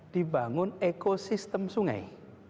dibangun ekosistem sungai